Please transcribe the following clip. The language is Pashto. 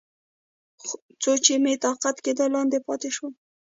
څو چې مې طاقت کېده، لاندې پاتې شوم.